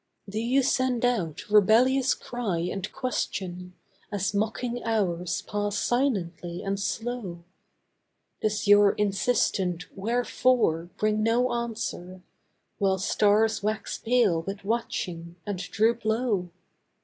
Do you send out rebellious cry and question, As mocking hours pass silently and slow, Does your insistent 'wherefore' bring no answer, While stars wax pale with watching, and droop low?